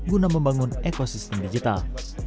guna membangun ekosistem digital